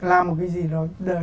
làm một cái gì đó